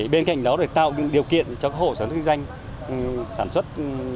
bên cạnh đó tạo điều kiện cho hộ sản xuất doanh nghiệp sản xuất